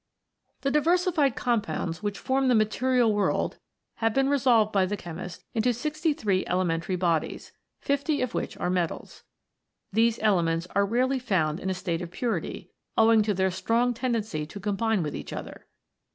The diversified compounds which form the mate rial world have been resolved by the chemist into sixty three elementary bodies, fifty of which are metals. These elements are rarely found in a state of purity, owing to their strong tendency to com bine with each other.